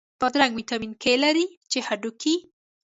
بادرنګ ویټامین K لري، چې هډوکی